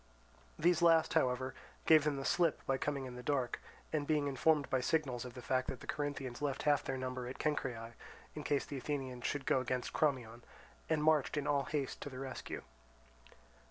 These last, however, gave them the slip by coming in the dark; and being informed by signals of the fact the Corinthians left half their number at Cenchreae, in case the Athenians should go against Crommyon, and marched in all haste to the rescue.